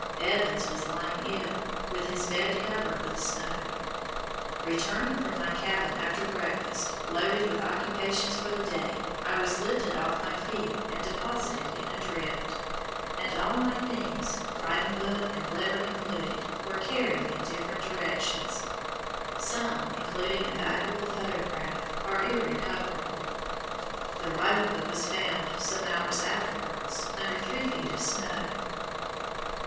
Evans was lying ill, with his bed covered with snow. Returning from my cabin after breakfast, loaded with occupations for the day, I was lifted off my feet, and deposited in a drift, and all my things, writing book and letter included, were carried in different directions. Some, including a valuable photograph, were irrecoverable. The writing book was found, some hours afterwards, under three feet of snow.